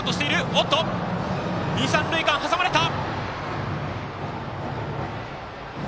おっと、二、三塁間、挟まれた。